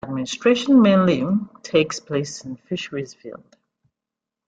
Administration mainly takes place in Fisheries Field.